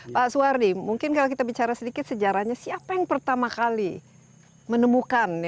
pak suwardi mungkin kalau kita bicara sedikit sejarahnya siapa yang pertama kali menemukan